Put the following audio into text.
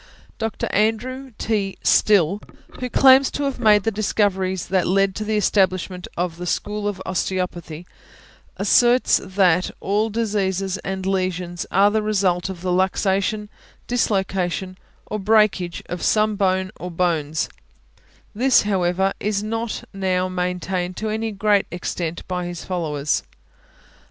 Dr. Andrew T. Still, who claims to have made the discoveries that led to the establishment of the school of Osteopathy, asserts that all diseases and lesions are the result of the luxation, dislocation, or breakage of some bone or bones; this, however, is not now maintained to any great extent by his followers.